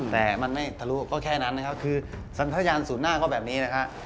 แต่มันไม่ทะลุก็แค่นั้นนะครับคือสัญญาณศูนย์หน้าก็แบบนี้นะฮะ